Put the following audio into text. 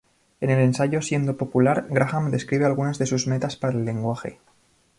En el ensayo "Siendo Popular", Graham describe algunas de sus metas para el lenguaje.